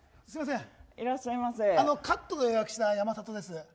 すみませんカットで予約した山里です。